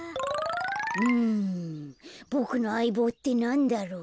うんボクのあいぼうってなんだろう？